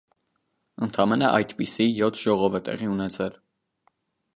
Ընդամենը այդպիսի յոթ ժողով է տեղի ունեցել։